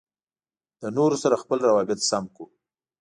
له نورو سره خپل روابط سم کړو.